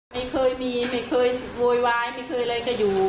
ไม่เคยมีไม่เคยโวยวายไม่เคยอะไรก็อยู่